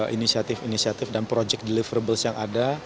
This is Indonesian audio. inisiatif inisiatif dan project deliverables yang ada